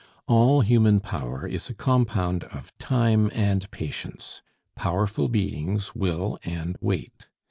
All human power is a compound of time and patience. Powerful beings will and wait.